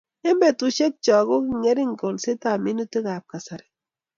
Eng' petushek chok ko kingering kolset ab minutik ab kasari